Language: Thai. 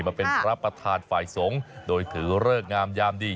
มาเป็นพระประธานฝ่ายสงฆ์โดยถือเลิกงามยามดี